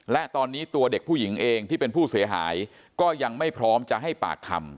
และตอนนี้ตัวเด็กผู้หญิงเองที่เป็นผู้เสียหายก็ยังไม่พร้อมจะให้ปากคำ